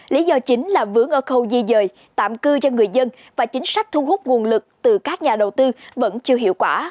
lý do chính là vướng ở khâu di dời tạm cư cho người dân và chính sách thu hút nguồn lực từ các nhà đầu tư vẫn chưa hiệu quả